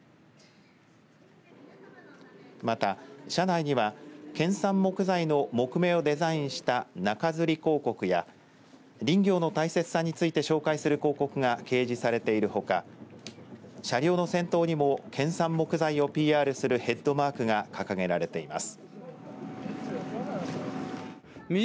また、車内には県産木材の木目をデザインした中づり広告や林業の大切さについて紹介する広告が掲示されているほか車両の先頭にも県産木材をＰＲするヘッドマークが掲げられています。